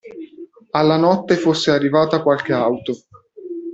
Alla notte fosse arrivata qualche auto.